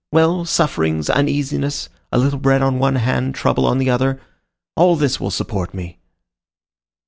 Well, sufferings, uneasiness, a little bread on one hand, trouble on the other,—all this will support me."